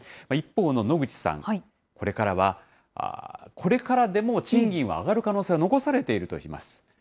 一方の野口さん、これからでも賃金は上がる可能性は残されているとしています。